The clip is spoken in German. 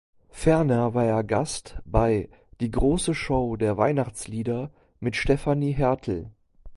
Ferner war er Gast bei "Die große Show der Weihnachtslieder" mit Stefanie Hertel.